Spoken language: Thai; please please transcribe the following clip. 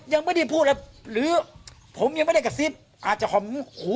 ยังไม่ได้พูดอะไรหรือผมยังไม่ได้กระซิบอาจจะหอมหู